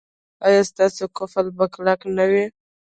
ایا ستاسو قفل به کلک نه وي؟